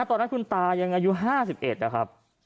ตอนนั้นคุณตายังอายุ๕๑นะครับ